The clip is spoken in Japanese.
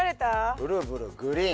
ブルーブルーグリーン。